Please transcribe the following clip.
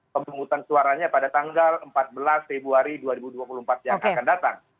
pemungutan suaranya pada tanggal empat belas februari dua ribu dua puluh empat yang akan datang